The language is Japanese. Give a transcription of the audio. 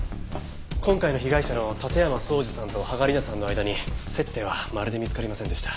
今回の被害者の館山荘司さんと芳賀理菜さんの間に接点はまるで見つかりませんでした。